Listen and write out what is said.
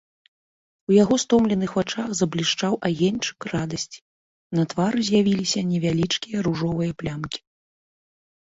У яго стомленых вачах заблішчаў агеньчык радасці, на твары з'явіліся невялічкія ружовыя плямкі.